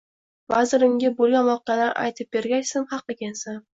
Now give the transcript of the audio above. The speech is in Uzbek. Vazir unga boʻlgan voqealarni aytib berach, Sen haq ekansan